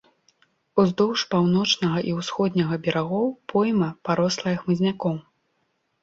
Уздоўж паўночнага і ўсходняга берагоў пойма, парослая хмызняком.